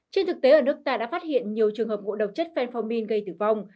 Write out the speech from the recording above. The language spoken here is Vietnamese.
trên thực tế ở nước ta đã phát hiện nhiều trường hợp ngộ độc chất fenformin gây tử vong